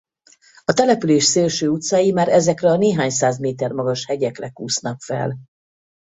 A település szélső utcái már ezekre a néhány száz méter magas hegyekre kúsznak fel.